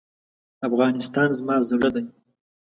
افغانستان زما زړه دی.